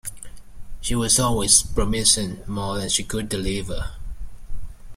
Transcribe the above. She was always promising more than she could deliver.